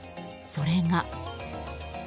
それが。